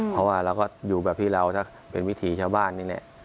เพราะว่าเราก็อยู่แบบที่เราถ้าเป็นวิถีชาวบ้านนี่แหละ